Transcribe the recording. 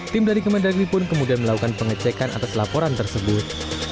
tim dari kemendagri pun kemudian melakukan pengecekan atas laporan tersebut